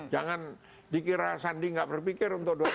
jangan dikira sandi nggak berpikir untuk dua ribu dua puluh